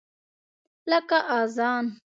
لکه اذان !